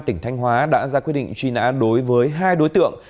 tỉnh thanh hóa đã ra quyết định truy nã đối với hai đối tượng